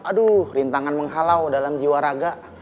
aduh rintangan menghalau dalam jiwa raga